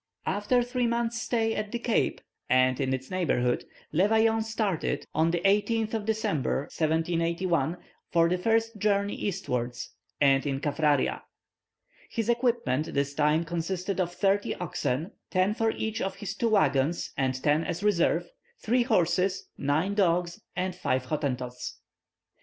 After three months' stay at the Cape and in its neighbourhood, Le Vaillant started, on the 18th December, 1781, for a first journey eastwards, and in Kaffraria. His equipment this time consisted of thirty oxen ten for each of his two waggons, and ten as reserve three horses, nine dogs, and five Hottentots.